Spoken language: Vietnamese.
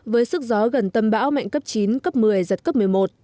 với sức gió gần tâm bão mạnh cấp chín cấp một mươi giật cấp một mươi một